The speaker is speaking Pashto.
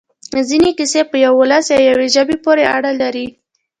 ځینې کیسې په یوه ولس یا یوې ژبې پورې اړه لري.